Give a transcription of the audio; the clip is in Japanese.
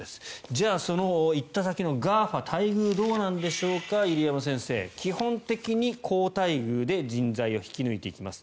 じゃあ、その行った先のＧＡＦＡ待遇はどうなんでしょうか入山先生、基本的に好待遇で人材を引き抜いていきます。